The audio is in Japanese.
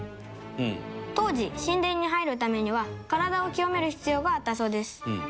当時、神殿に入るためには体を清める必要があったそうです。